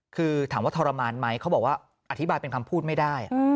คือถามว่าทรมานไหมเขาบอกว่าอธิบายเป็นคำพูดไม่ได้